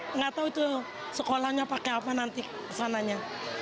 nggak tahu itu sekolahnya pakai apa nanti kesananya